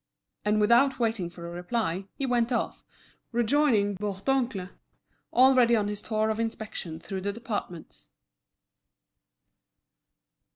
And without waiting for a reply, he went off, rejoining Bourdoncle, already on his tour of inspection through the departments.